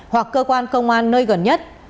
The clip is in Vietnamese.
hoặc cơ quan công an nơi gần nhất